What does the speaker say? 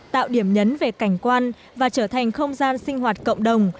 tạo điểm nhấn về cảnh quan và trở thành không gian sinh hoạt cộng đồng